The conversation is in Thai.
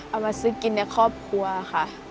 เอามาซื้อกินในครอบครัวค่ะ